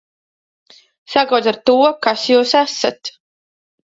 Sākot ar to, kas jūs esat.